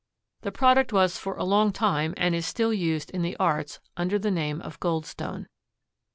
The product was for a long time and is still used in the arts under the name of goldstone.